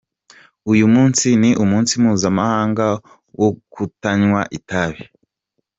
Uyu munsi ni umunsi mpuzamahanga wo kutanywa itabi.